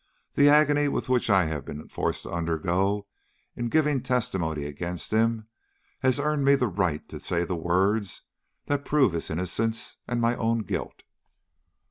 The agony which I have been forced to undergo in giving testimony against him, has earned me the right to say the words that prove his innocence and my own guilt."